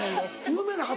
有名な方？